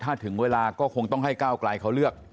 ถ้าถึงเวลาก็คงต้องให้ก้าวไกลเขาเลือก